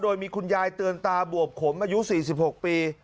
โดยมีคุณยายเตือนตาบวบขมอายุ๔๖ปี